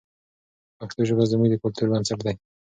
پښتو ژبه زموږ د کلتور بنسټ دی.